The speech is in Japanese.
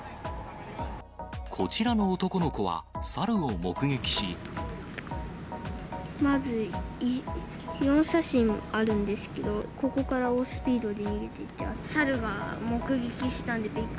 こちらの男の子は、まず、４写真あるんですけど、ここから猛スピードで逃げていって。